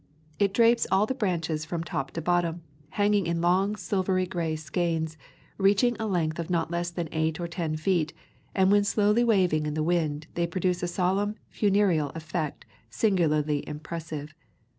It drapes all the branches from top to bottom, hanging in long silvery gray skeins, reaching a length of not less than eight or ten feet, and when slowly waving in the wind they produce a solemn funereal effect singularly impressive.